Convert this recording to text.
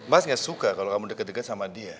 mas gak suka kalau kamu deket deket sama dia